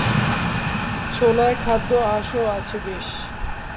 ছোলায় খাদ্য-আঁশও আছে বেশ।